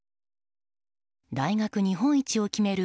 大学日本一を決める